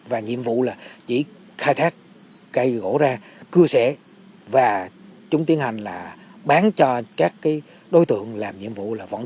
và nhiệm vụ là chỉ khai thác cây gỗ ra cưa xẻ và chúng tiến hành là bán cho các đối tượng làm nhiệm vụ là vẫn